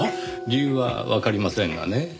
理由はわかりませんがね。